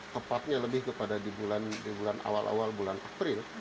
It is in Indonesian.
tepatnya lebih kepada di bulan awal awal bulan april